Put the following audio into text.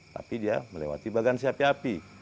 tapi dia melewati bagansi api api